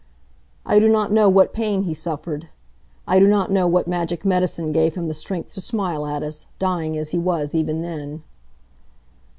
I do not know what pain he suffered. I do not know what magic medicine gave him the strength to smile at us, dying as he was even then.